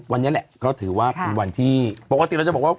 วันนี้แหละก็ถือว่าเป็นวันที่ปกติเราจะบอกว่า